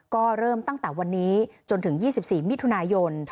ก็เริ่มตั้งแต่วันนี้จนถึง๒๔มิถุนายน